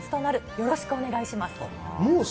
よろしくお願いします。